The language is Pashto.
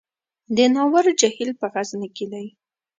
د ناور جهیل په غزني کې دی